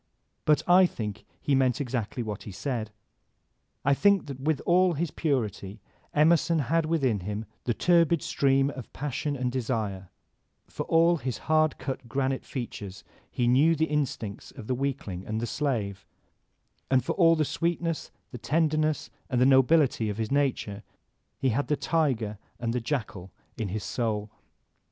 But I think he meant exactly what he said. I think that with all his purity Emerson had within him the turbid stream of passion and desire; for all his hard cut granite features he knew the instincts of the weakling and the slave ; and for all the sweetness, the tenderness, and the nobility of his nature, he had the tiger and the jackal in his soul.